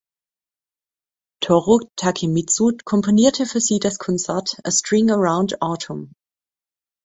Toru Takemitsu komponierte für sie das Konzert "A String around Autumn".